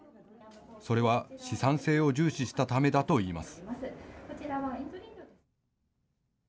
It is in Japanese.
それは資産性を重視したためだといいます。